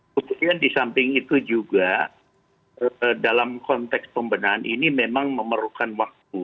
kemudian di samping itu juga dalam konteks pembenahan ini memang memerlukan waktu